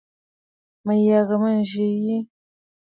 Mə̀ yə̀gə̀ mə̂ yi nzi.